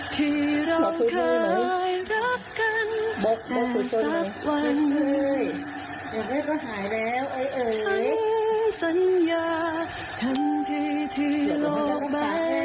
ทั้งสัญญาทันทีที่โลกใบนี้